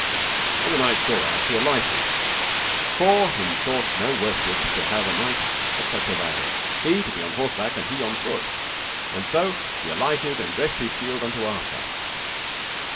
When the knight saw that, he alighted, for him thought no worship to have a knight at such avail, he to be on horseback and he on foot, and so he alighted and dressed his shield unto Arthur.